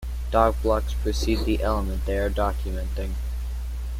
DocBlocks precede the element they are documenting.